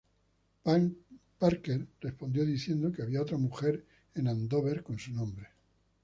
Parker respondió diciendo que había otra mujer en Andover con su nombre.